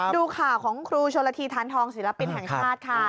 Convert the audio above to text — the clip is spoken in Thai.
ดูข่าวของครูชนละทีทานทองศิลปินแห่งชาติค่ะ